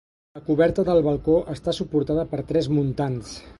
La coberta del balcó està suportada per tres muntants.